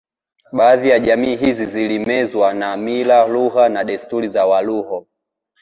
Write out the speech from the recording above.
Baadhi ya jamii hizi zilimezwa na mila lugha na desturi za Waluo